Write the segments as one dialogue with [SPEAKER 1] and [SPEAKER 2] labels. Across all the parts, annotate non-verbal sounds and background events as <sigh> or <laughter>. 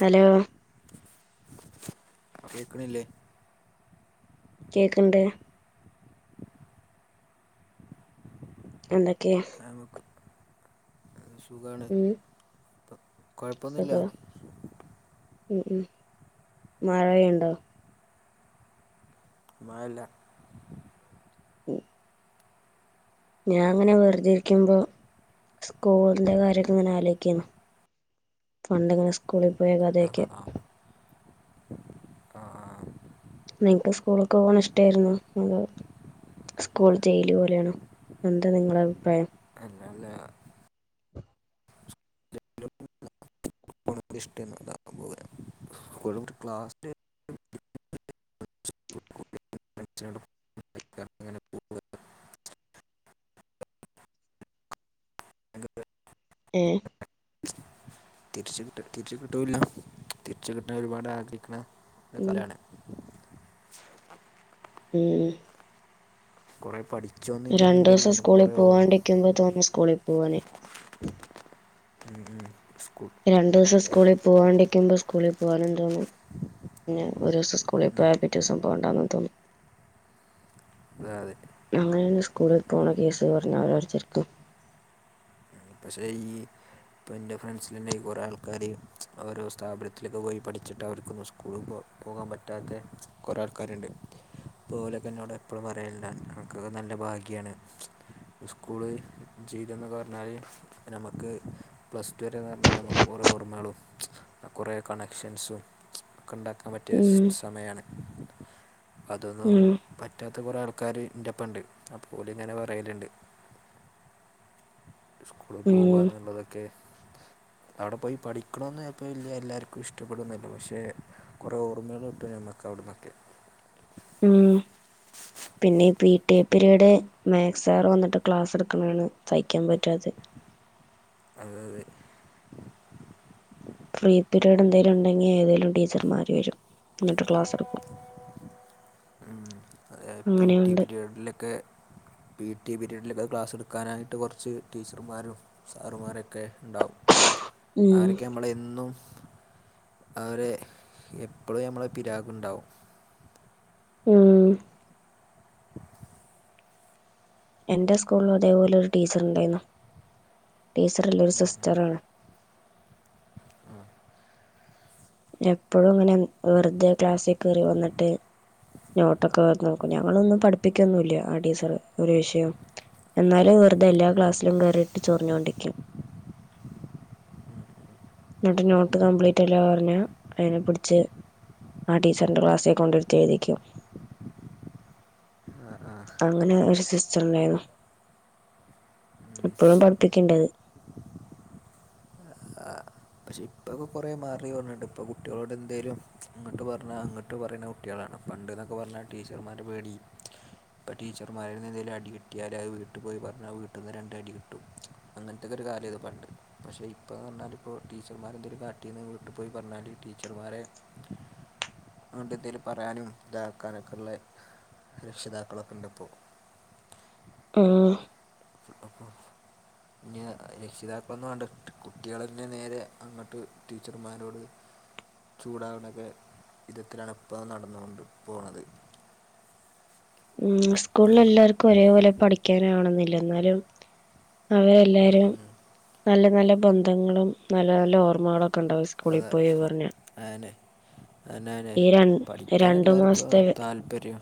[SPEAKER 1] Hello
[SPEAKER 2] കേക്ക്ണില്ലേ
[SPEAKER 1] കേക്ക്ണ്ട് എന്തൊക്കെ
[SPEAKER 2] നമുക്കും സുഖാണ്
[SPEAKER 1] ഉം
[SPEAKER 2] ഇപ്പം കൊയപ്പൊന്നുല്ല
[SPEAKER 1] സുഖം ഉം ഉ മഴയുണ്ടോ
[SPEAKER 2] മയല്ല
[SPEAKER 1] ഞാൻ ഇങ്ങനെ വെർതിരിക്കുമ്പോ സ്കൂളിന്റെ കാര്യക്കെ ഇങ്ങനെ ആലോയിക്കേന്നു പണ്ടിങ്ങനെ സ്കൂളി പോയ
[SPEAKER 2] ആ
[SPEAKER 1] കഥയൊക്കെ
[SPEAKER 2] ആഹ്‌ ആഹ്‌
[SPEAKER 1] നിങ്ങക്ക് സ്കൂളിക്ക് പോണെ ഇഷ്ടായിരുന്നു അതോ സ്കൂൾ ജയില് പോലെയാണോ എന്താ നിങ്ങള അഭിപ്രായം
[SPEAKER 2] അല്ലല്ല ഇഷട്ടൊന്നുല്ല ഞാൻ പോവൂല്ല സ്കൂളി ക്ലാസ്സിൽ <inaudible> <inaudible> ഞങ്ങൾക്ക്
[SPEAKER 1] ഏഹ്
[SPEAKER 2] തിരിച്ച കിട്ട തിരിച്ച കിട്ടുല്ല തിരിച്ച കിട്ടാൻ ഒരുപാട് ആഗ്രഹിക്കണ ഒരു
[SPEAKER 1] ഉം
[SPEAKER 2] കലയാണ്
[SPEAKER 1] ഉം
[SPEAKER 2] കൊറേ പഠിച്ചോ
[SPEAKER 1] രണ്ടുസം സ്കൂളി പോവാണ്ടിരിക്കുമ്പോ തോന്നു സ്കൂളിൽ പോവാന്
[SPEAKER 2] മം ഉം സ്കൂൾ
[SPEAKER 1] രണ്ടുസം സ്കൂളി പോവാണ്ടിരിക്കുമ്പോ സ്കൂളിൽ പോവാനും തോന്നും പിന്നെ ഒരു ദിവസം സ്കൂളി പോയ പിറ്റെസം പോവണ്ടാന്ന് തോന്നു
[SPEAKER 2] അതെ അതെ
[SPEAKER 1] അങ്ങനെനി സ്കൂളി പോണ കേസ് പറഞ്ഞ അവരടിച്ചർക്കും <unintelligible>
[SPEAKER 2] പക്ഷേ ഈ ഇപ്പോം എൻ്റെ ഫ്രണ്ട്സിലന്നെ കുറേ ആൾക്കാര് ഓരോ സ്ഥാപനത്തിലൊക്കെ പോയി പഠിച്ചിട്ട് അവർക്കൊന്ന് സ്കൂളി പോ പോകാൻ പറ്റാത്ത കൊറെ ആൾക്കാരുണ്ട് അപ്പോലൊക്കെന്നോട് എപ്പഴും പറയൽ അൻക്ക് നല്ല ഭാഗ്യാണ് സ്കൂള് ജീവിതന്നക്ക പറഞ്ഞാല് നമക്ക് പ്ലസ ടു വരെന്ന് പറഞ്ഞാൽ നമക്ക് കൊറേ ഓർമ്മളും കൊറേ കണക്ഷൻസും ഒക്കെ ണ്ടാക്കാൻ പറ്റിയ
[SPEAKER 1] ഉം
[SPEAKER 2] സമയാണ് അതൊന്നും
[SPEAKER 1] ഉം
[SPEAKER 2] പറ്റാത്ത കൊറേ ആൾക്കാര് ഇന്റെപ്പണ്ട് അപ്പോലുംങ്ങനെ പറയല്ണ്ട് സ്കൂളി
[SPEAKER 1] ഉം
[SPEAKER 2] പോവാന്നുള്ളതൊക്കെ അവിടെ പോയി പഠിക്കണന്നൊക്കെ ചെലപ്പോ വല്യ എല്ലാർക്കും ഇഷ്ടപ്പെടോന്നുല്ല പക്ഷെ കൊറേ ഓർമ്മകൾ കിട്ടാ ഞമ്മക്ക് അവിട്ന്നൊക്കെ
[SPEAKER 1] ഉം പിന്നെ പി ടി പിരീഡ് മാത്‍സാർ വന്നിട്ട് ക്ലാസ് ഇട്ക്ക്ണാണ് സയ്ക്കാൻ പറ്റാത്ത
[SPEAKER 2] അതെ അതേ
[SPEAKER 1] ഫ്രീ പീരീഡ് എന്തെലും ഉണ്ടെങ്കി ഏതെലും ടീച്ചർമാര് വരും ന്നിട്ട് ക്ലാസ് എടുക്കും
[SPEAKER 2] ഉ അതായത് പി ടി
[SPEAKER 1] അങ്ങനെയുണ്ട്
[SPEAKER 2] പിരീഡിലൊക്കെ പി ടി പിരീഡിലൊക്കെ ക്ലാസ് എടുക്കാനായിട്ട് കൊർച്ച് ടീച്ചർമാരും സാറുമാരൊക്കെണ്ടാവും
[SPEAKER 1] ഉം
[SPEAKER 2] അവരൊക്കെ നമ്മള് എന്നും അവരെ എപ്പളും നമ്മളെ പിരാഗ്ണ്ടാകും
[SPEAKER 1] ഉം എന്റെ സ്കൂളില അതേപോലെ ഒരു ടീച്ചർ ഉണ്ടായിരുന്നു ടീച്ചർല്ല ഒരു സിസ്റ്ററാണ് എപ്പഴും ഇങ്ങനെ വെറുതെ ക്ലാസ്സി കേറി വന്നിട്ട് നോട്ടൊക്കെ നോക്കും ഞങ്ങളൊന്നും പഠിപ്പിക്കൊന്നുല്ല ആ ടീച്ചറ് ഒരു വിഷയം എന്നാലും വെറുത എല്ലാ ക്ലാസിലും കേറിയിട്ട് ചൊറിഞ്ഞോണ്ടിരിക്കും ന്നട്ട് നോട്ട് കംപ്ലീറ്റ് അല്ല പറഞ്ഞ അതിനെ പിടിച്ച് ആ ടീച്ചറിൻന്റെ ക്ലാസ്സിൽ കൊണ്ടര്ത്തി എഴുതിക്കും
[SPEAKER 2] അഹ് ആഹ്
[SPEAKER 1] അങ്ങനെ ഒരു സിസ്റ്റളേന്നു ഇപ്പഴും പഠിപ്പിക്കിണ്ടത്
[SPEAKER 2] പക്ഷെ ഇപ്പൊക്കെ കുറേ മാറി പറഞ്ഞിട്ട് ഇപ്പ കുട്ടികളോട് എന്തേലും അങ്ങട്ട് പറഞ്ഞാ ങ്ങട്ട് പറിണ കുട്ട് കുട്ടിആളാണ് പണ്ട് ന്നൊക്കെ പറഞ്ഞാ ടീച്ചർമാരെ പേടിയന്നു ഇപ്പ ടീച്ചർമാര്ൽ എന്തേലും അടി കിട്ടിയാല് അത് വീട്ട് പോയി പറഞ്ഞാ വീട്ടന്ന് രണ്ട് അടി കിട്ടും അങ്ങൻത്തെക്കെ ഒരു കാലെന്ന് പണ്ട് പക്ഷേ ഇപ്പോറഞ്ഞാല് ഇപ്പോ ടി ടീച്ചർമാരെ എന്തരു കാട്ടി നിന്ന് വിട്ടു പോയി പറഞ്ഞാല് ടീച്ചർമാരെ അതോണ്ട് എന്തേലും പറയാനും ഇതാക്കാനൊക്കെള്ള രക്ഷിതാക്കളൊക്കെണ്ടപ്പോ
[SPEAKER 1] ഏഹ്
[SPEAKER 2] പിന്നെ രക്ഷിതാക്കളൊന്നും വണ്ട കുട്ടികൾന്നെ നേരെ അങ്ങട്ട് ടീച്ചർമാരോട് ചൂഡാവിനൊക്കെ വിധത്തിലാണ് ഇപ്പ നടന്നോണ്ട് പോണത്
[SPEAKER 1] മ്മ് സ്കൂളിലെല്ലാർക്കും ഒരേപോലെ പഠിക്കാനാവണെന്നില്ല ന്നാലും
[SPEAKER 2] ഉം
[SPEAKER 1] അവയല്ലാരും
[SPEAKER 2] ഉം.
[SPEAKER 1] നല്ല നല്ല ബന്ധങ്ങളും നല്ല നല്ല ഓർമ്മകളും
[SPEAKER 2] അതെ അന്നെ അന്നെന്നെ
[SPEAKER 1] ഈ ര
[SPEAKER 2] പഠിക്കാൻ
[SPEAKER 1] രണ്ടു
[SPEAKER 2] എല്ലാർക്കും
[SPEAKER 1] മാസത്തെ
[SPEAKER 2] താല്പര്യം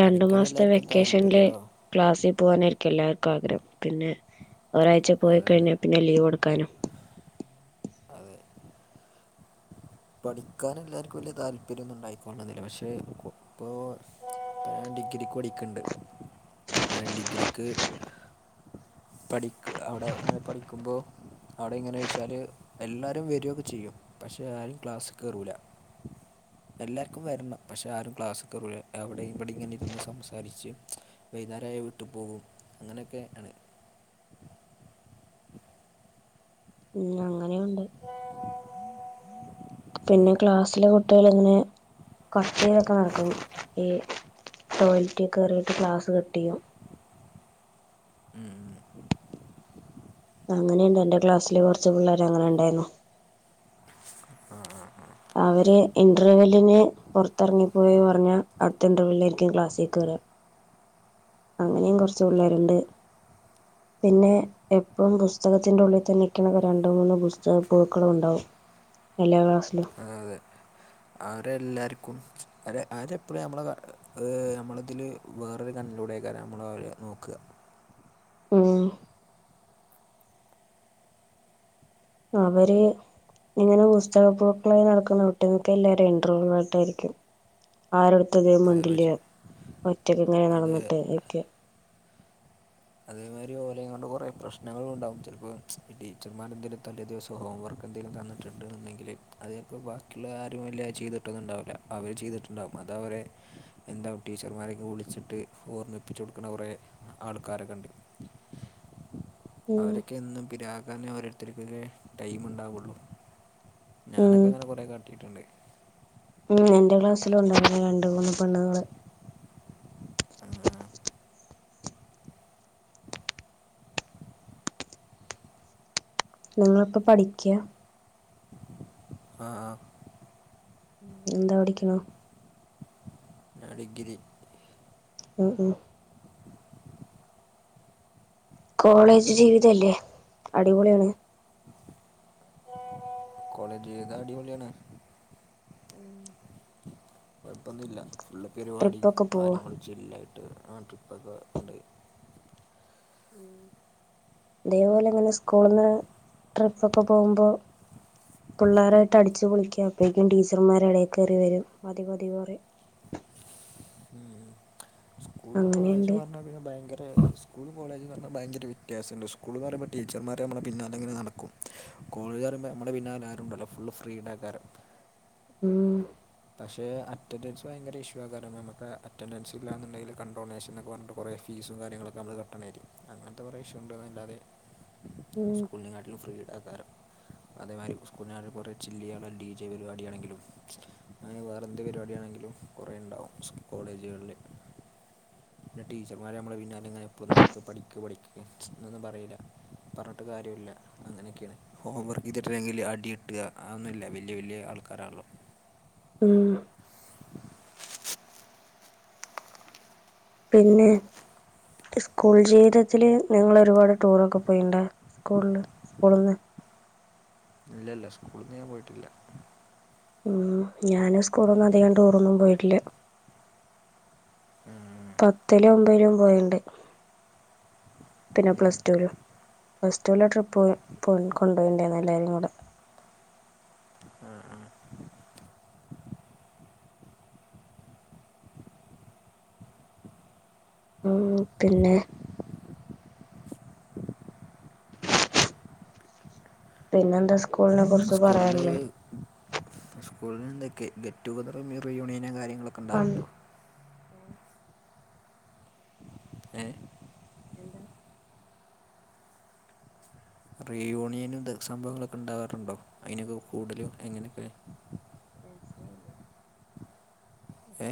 [SPEAKER 1] രണ്ടു
[SPEAKER 2] പഠിക്കാൻ
[SPEAKER 1] മാസത്തെ
[SPEAKER 2] എല്ലാവർക്കും
[SPEAKER 1] വെക്കേഷൻല്
[SPEAKER 2] താല്പര്യമോ
[SPEAKER 1] ക്ലാസ്സിൽ പോനായിരിക്കും എല്ലാർക്കും ആഗ്രഹം പിന്നെ ഒരാഴ്ച പോയി
[SPEAKER 2] അതെ അതെ
[SPEAKER 1] കഴിഞ്ഞാ പിന്നെ ലീവെടുക്കാനും
[SPEAKER 2] അതെ പഠിക്കാൻ എല്ലാർക്കും വല്യ താല്പരിയൊന്നുണ്ടായിക്കോള്ളന്നില്ല പക്ഷേ കു ഇപ്പോ ഞൻ ഡിഗ്രിക്ക് പടിക്കണ്ട് അപ്പേ ഡിഗ്രിക്ക് പഠിക്ക് അവിടെ ങ്ങനെ പഠിക്കുമ്പോ അവിടെ ഇങ്ങനെച്ചാല് എല്ലാരും വരുക്കെചെയ്യും പക്ഷെ ആരും ക്ലാസ് കേറൂല എല്ലാർക്കും വെര്നം പക്ഷേ ആരും ക്ലാസ് കേറൂലല്ല അവിടെമ് ഇവിടെ ഇങ്ങനെ ഇരുന്ന് സംസാരിച്ച് വൈന്നര ആയ വിട്ട് പോകും അങ്ങനെയൊക്കെ ആണ്
[SPEAKER 1] ഉം അങ്ങനെയുണ്ട് പിന്നെ ക്ലാസിലെ കുട്ടിഅള് ഇങ്ങനെ കഫയിലൊക്കെ നടക്കുന്നു ഈ ടോയ്ലറ്റ് കയറിയിട്ട് ഗ്ലാസ് കട്ടിയും
[SPEAKER 2] മ്
[SPEAKER 1] അങ്ങനെണ്ട് എന്റെ ക്ലാസ്സില് കുറച്ച് പിള്ളേർ അങ്ങനെണ്ടാരുന്നു
[SPEAKER 2] ആഹ് ആഹ് ആഹ്
[SPEAKER 1] അവര് ഇന്റർവെലിന് പുറത്തിറങ്ങിപ്പോയി പറഞ്ഞാ അടുത്ത ഇന്റർവലിലായിരിക്കും ക്ലാസ്സികേറാ അങ്ങനേം കൊർച്ച് പിള്ളേര്ണ്ട് പിന്നെ എപ്പോമ് പുസ്തകത്തിന്റെ ഉള്ളിതന്നെക്കണ രണ്ട് മൂന്ന് പുസ്തക പൂഴുക്കളും ഉണ്ടാവും എല്ലാ ക്‌ളാസിലും
[SPEAKER 2] ആഹ് അതെ അവരെല്ലാർക്കും അരെ ആരെപ്പോഴും നമ്മള് ഏഹ് നമ്മള ഇതില് വേറൊരു കണ്ണിലൂടെകാരം നമ്മള് അവരെ നോക്ക
[SPEAKER 1] മ് അവര് ഇങ്ങനെ പുസ്തക പൂഴുക്കളായി നടക്കുന്ന ഒട്ട്മിക്ക എല്ലാരും എന്റ്ർവേട്ട ആയിട്ടായിരിക്കും ആരടുത്തതമിണ്ടില്ല ഒറ്റക്ക് ഇങ്ങനെ
[SPEAKER 2] അത് അത്
[SPEAKER 1] നടന്നിട്ട്ക്ക
[SPEAKER 2] അതേമാതിരി ഓലെങ്ങണ്ട് കൊറെേ പ്രശ്നങ്ങളൾ ഉണ്ടാവും ചിലപ്പോഈ ടീച്ചർമാരെ എന്തെലും തല്ലേ ദിവസം ഇപ്പോ ഹോംവർക്ക് എന്തെലും തന്നിട്ടുണ്ട് ന്ന് ണ്ടെങ്കില് അത് ചെൽപ്പം ബാക്കിള്ള ആരും വല്ലാ ചെയ്തിട്ടൊന്നുണ്ടാവൂല അവര് ചെയ്തിട്ടുണ്ടാവകും അത് അവരെ എന്താ ടീച്ചർമാരെ ക്കെ വിളിച്ചിട്ട് ഓർമ്മിപ്പിച്ചു കൊട്ക്കണ കൊറെ ആൾക്കാരൊക്കെ ഇണ്ട്
[SPEAKER 1] ഉം
[SPEAKER 2] അവരൊക്കെ എന്നും പിരാകാനെ ഓരെട് ത്തെർക്കൊക്കെ ടൈം ണ്ടാവുള്ളൂ
[SPEAKER 1] ഉം
[SPEAKER 2] ഞാനൊക്കെ അങ്ങനെ കുറേ കാട്ടിയിട്ടുണ്ട്
[SPEAKER 1] ഉം എന്റെ ക്ലാസ്സിലും ഉണ്ടായിരുന്നു രണ്ട് മൂന്ന് പെണ്ണ്ങ്ങള് നിങ്ങളിപ്പൊ പഠിക്കിയാ
[SPEAKER 2] ആഹ് ആഹ്
[SPEAKER 1] എന്താ പഠിക്ക്ന്നേ
[SPEAKER 2] ഞാൻ ഡിഗിരി
[SPEAKER 1] ഉം ഉം
[SPEAKER 2] <inaudible>
[SPEAKER 1] കോളേജ് ജീവിതല്ലേ അടിപൊളിയാണ്
[SPEAKER 2] കോളേജ് ജീവിതാ അടിപൊളിയാണ്
[SPEAKER 1] ഉം
[SPEAKER 2] കൊഴപ്പൊന്നുല്ല ഫുള്ള് പരിവാടി
[SPEAKER 1] ട്രിപ്പൊക്കെ പോവോ
[SPEAKER 2] കാര്യങ്ങള് ചില്ലായിട്ട് ആഹ് ട്രിപ്പൊക്കെ ഇണ്ട്
[SPEAKER 1] ഉം തേപോലെ ഇങ്ങനെ സ്കൂള്ന്ന് ട്രിപ്പൊക്കെ പോവുമ്പോ പിള്ളോരായിട്ട് അടിച്ച് പൊളിക്ക അപ്പഴേക്കും ടീച്ചർമാര് എടേ കേറി വരും മതി മതി പറിം
[SPEAKER 2] ഉം ഉം സ്കൂളും
[SPEAKER 1] അങ്ങനെയുണ്ട്
[SPEAKER 2] കോളേജും പർണാ പിന്നെ ഭയങ്കര പ്പെ സ്കൂളും കോളേജും ന്ന് ർണാ ഭയങ്കര വ്യത്യാസണ്ട് സ്കൂള് ന്ന് പറയുമ്പോ ടീച്ചർമാരെ നമ്മളെ പിന്നാലെങ്ങനെ നടക്കും കോളേജ് പറയുമ്പോ നമ്മളെ പിന്നാലെ ആരുംണ്ടാവൂല ഫുളള് ഫ്രീഡയ്ക്കാരം
[SPEAKER 1] ഉം
[SPEAKER 2] പക്ഷെ അറ്റൻഡൻസ് ഭയങ്കര ഇഷ്യൂ ക്കാരം നമുക്ക് അറ്റൻഡൻസ് ഇല്ലാന്ന്ണ്ടെങ്കിൽ കണ്ട്രോനേഷൻ ന്നൊക്കെ പറഞ്ഞിട്ടും കുറേ ഫീസും കാര്യങ്ങളൊക്കെ നമ്മള് കെട്ടണെയിരിക്കും അങ്ങനത്തെ കുറെേ ഇഷ്യൂ ഉണ്ട് ല്ലാതെ
[SPEAKER 1] ഉം
[SPEAKER 2] ഇതിനെങ്ങാട്ടിലും ഫ്രീഡയ്ക്കാരം അതേമാരി സ്കൂൾ നാട്ടിലും കുറേ ചില്ല്യ്യാള്ള ഡി ജെ പരിവാടിയാണെങ്കിലും മ്ച്ചും അങ്ങനെ വേറെന്ത് പരിവാടിയാണെങ്കിലും കുറെേ ണ്ടാവും സ് കോളേജുകളില്ല് പിന്നെ ടീച്ചർമാര് നമ്മളെ പിന്നാലെ ഇങ്ങനെ എപ്പളും നടക്ക പഠിക്ക് പഠിക്ക് മ്ച്ചും ന്നെന്നും പറയീല പർണെട്ട് കാര്യല്ല അങ്ങനെയൊക്കെയാണ് ഹോം വർക്ക് യ്തിട്ടല്ലങ്കില് അടി കിട്ടാ അവ്ന്നുല്ല വല്ലിയ വല്ലിയ ആൾക്കാരാണ്ല്ലോ
[SPEAKER 1] ഉം
[SPEAKER 2] <inaudible>
[SPEAKER 1] പിന്നെ ഹ് സ്കൂൾ ജീവിതത്തില് നിങ്ങള് ഒരുപാട് ടൂറൊക്കെ പോയിണ്ടാ സ്കൂൾല് സ്കൂൾന്ന്
[SPEAKER 2] ഇല്ല ഇല്ല സ്കൂൾന്ന് ഞാൻ പോയിട്ടില്ല
[SPEAKER 1] ഉം ഞാനും സ്കൂളൊന്നും അധികം ടൂറൊന്നും പോയിട്ടില്ല പത്തിലും ഒബെലും പോയിണ്ട് പിന്നെ പ്ലസ്ടൂലും പ്ലസ്ടൂലെ ട്രിപ്പ് പോയി കൊണ്ടെയിണ്ടായിരുന്നു എല്ലാരും കൂടെ
[SPEAKER 2] ആഹ്
[SPEAKER 1] ഉം പിന്നെ <inaudible> പിന്നെന്താ സ്
[SPEAKER 2] സ്കൂൾ ള്ള് സ്കൂൾന്ന് ന്തൊക്കെ ഗെറ്റ് കതറും റീയൂണിയനും കാര്യങ്ങളൊക്കെ ണ്ടാവൽണ്ടോ ഏഹ്
[SPEAKER 1] എന്താ
[SPEAKER 2] റീ യൂണിയനും ദ സംഭവങ്ങളൊക്കെ ണ്ടാവാറ് ണ്ടോ അയിനൊക്കെ കൂടല് എങ്ങനെക്കെ
[SPEAKER 1] രസ്സേല്യാ
[SPEAKER 2] ഏ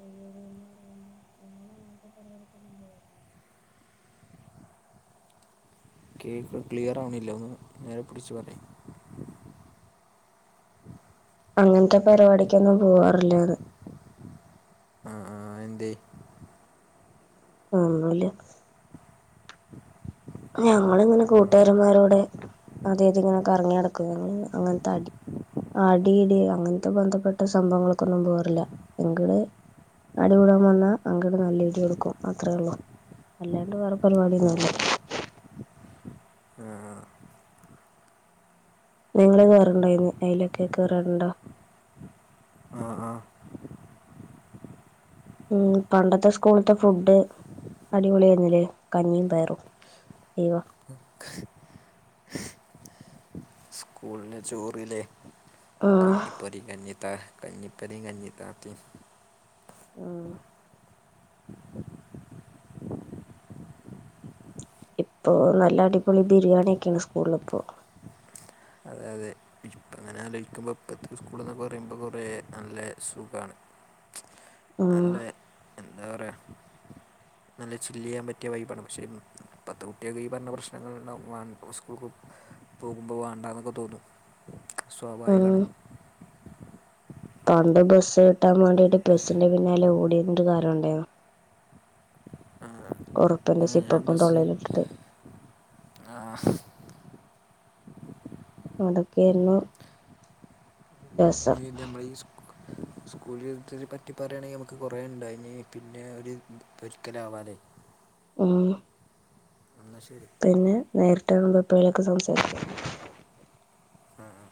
[SPEAKER 1] റീയൂണിയൻന്ന് പറയുമ്പോ ഞാനങ്ങൻത്തെ പര്പാടിക്കൊന്നും പോവാറ്ല്ല
[SPEAKER 2] കേക്ക്‌ ക്ലിയറാവണ്ല്ല ഒന്ന് നേരെ പുട്ച്ച് പറയ്
[SPEAKER 1] അങ്ങൻത്തെ പര്പാടിക്കൊന്നും പോവാറില്ലാന്ന്
[SPEAKER 2] ആഹ് ആഹ് എന്തേ
[SPEAKER 1] ഒന്നൂല്ല ഞങ്ങള്ങ്ങനെ കൂട്ട്കാര്മ്മാരൂടെ അതെയ്ത്ങ്ങനെ കറങ്ങ്യടക്കും ഞങ്ങളീ അങ്ങൻത്തടി അടി ഇടി അങ്ങൻത്തെ ബന്ധപ്പെട്ട സംഭവങ്ങൾക്കൊന്നും പോവാറ്ല്ല ങ്ക്ട് അടികൂടാൻ വന്നാ അങ്ക്ട് നല്ല ഇടി കൊടുക്കും അത്രെള്ളു അല്ലാണ്ട് വേറെ
[SPEAKER 2] ആ
[SPEAKER 1] പര്പാടിയൊന്നൂല്ല
[SPEAKER 2] ആഹ്
[SPEAKER 1] നിങ്ങള് കേറ്ൺണ്ടൊയ്ന് അയ്ലൊക്കെ കേറാറ്ണ്ടോ
[SPEAKER 2] ആഹ് ആഹ്
[SPEAKER 1] ഉം പണ്ടത്തെ സ്കൂള്ത്തെ ഫുഡ് അടിപൊളിയാര്ന്ന്ല്ലേ കഞ്ഞീം പയറും അയ്വാ
[SPEAKER 2] സ്കൂൾലെ ചോറ്ല്ലെ
[SPEAKER 1] ആഹ്
[SPEAKER 2] കഞ്ഞിപ്പൊരേം കഞ്ഞിത്താ കഞ്ഞിപ്പെരേം കഞ്ഞി താത്തേം
[SPEAKER 1] ആഹ് ഇപ്പൊ നല്ല അടിപൊളി ബിരിയാണിയെക്ക്യാണ് സ്കൂളില്പ്പോ
[SPEAKER 2] അതെ അതെ ഇപ്പ അങ്ങനെ ആലോയ്ക്കുമ്പോ പ്പത്തെ സ്കൂൾന്നൊക്കെ പറയ്മ്പോ കൊറെ നല്ല സുഗാണ്
[SPEAKER 1] ഉം
[SPEAKER 2] നല്ലേ എന്താ പറയാ നല്ല ചില്ല്യാൻ പറ്റിയ വൈബാണ് പഷേ പ്പത്തെ കുട്ട്യക്ക് ഈ പറഞ്ഞ പ്രശ്നങ്ങള്ണ്ടാവും വാൺ ഉസ്കൂൾക്ക് പോകുമ്പോ വാണ്ടന്നൊക്കെ തോന്നും
[SPEAKER 1] ഉം
[SPEAKER 2] സോഭായ്കാണ്
[SPEAKER 1] പണ്ട് ബെസ്സ് കിട്ടാൻ വേണ്ടിട്ട് ബെസ്സിന്റെ പിന്നാലെ ഓടീര്ന്നൊര് കാലൊണ്ടായ്ന്
[SPEAKER 2] ആ,
[SPEAKER 1] ഒറൊപ്പ്യെന്റെ സിപ്പപ്പും തൊള്ളല്ട്ട്ട്ട്
[SPEAKER 2] ആഹ്
[SPEAKER 1] അതൊ‌ക്കെയാര്ന്നു
[SPEAKER 2] ഈ ഞമ്മ്ളീ സ്‌കൂൾക് സ്കൂൾലെന്ത്നേപറ്റി പറയാണെങ്കി നമ്മ്ക്ക് കൊറെണ്ടായിനീ പിന്നെ ഒര് ഒര്ക്കലാവാലേ
[SPEAKER 1] ഉം
[SPEAKER 2] അന്നാ ശെരി
[SPEAKER 1] പിന്നെ നേര്ട്ട് കാണുമ്പപ്പെഴെലൊക്കെ സംസാരിക്കാ
[SPEAKER 2] ആഹ് ആഹ്